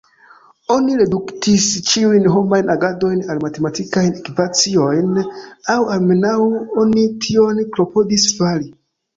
Oni reduktis ĉiujn homajn agadojn al matematikajn ekvaciojn, aŭ almenaŭ oni tion klopodis fari.